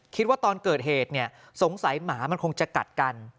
คิดว่าตอนเกิดเหตุเนี่ยสงสัยหมามันคงจะกัดกัน